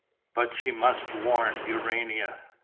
But she must warn Urania....